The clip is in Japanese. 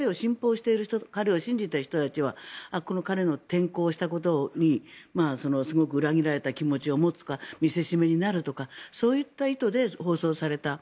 彼を信奉、信じている人はこの彼の、転向したことにすごく裏切られた気持ちを持つか見せしめになるとかそういった意図で放送された。